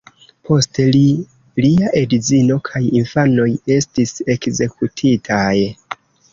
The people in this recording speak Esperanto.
Poste li, lia edzino kaj infanoj estis ekzekutitaj.